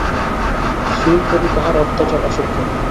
স্ত্রীর প্রতি তাহার অত্যাচার অসহ্য।